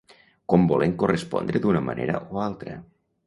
Com volent correspondre d'una manera o altra